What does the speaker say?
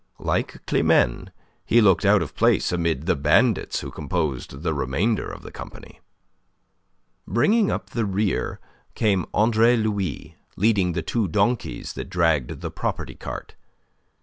Like Climene, he looked out of place amid the bandits who composed the remainder of the company. Bringing up the rear came Andre Louis leading the two donkeys that dragged the property cart.